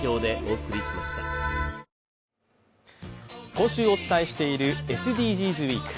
今週お伝えしているＳＤＧｓウィーク。